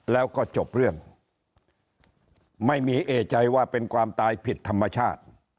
แล้วก็จบเรื่องไม่มีเอใจว่าเป็นความตายผิดธรรมชาติ